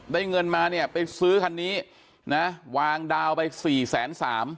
ได้เงินมาเนี่ยไปซื้อคันนี้นะวางดาวไป๔แสน๓